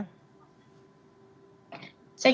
saya kira saya akan mengikuti mas adi ya